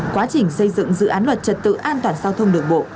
quá trình xây dựng dự án luật trật tự an toàn giao thông đường bộ